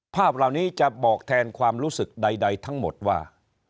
ภาพเหล่านี้จะบอกแทนความรู้สึกใดทั้งหมดว่า